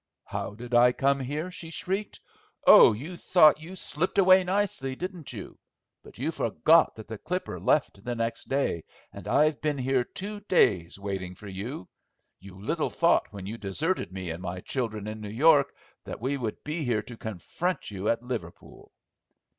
"How did I come here," she shrieked. "Oh, you thought you slipped away nicely, didn't you? But you forgot that the Clipper left the next day, and I've been here two days waiting for you. You little thought when you deserted me and my children in New York that we would be here to confront you at Liverpool."